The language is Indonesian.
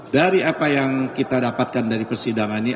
dari apa yang kita dapatkan dari persidangan ini